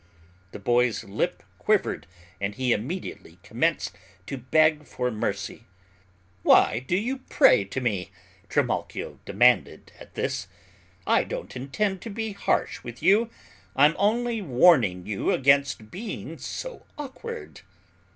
The boy's lip quivered and he immediately commenced to beg for mercy. "Why do you pray to me?" Trimalchio demanded, at this: "I don't intend to be harsh with you, I'm only warning you against being so awkward."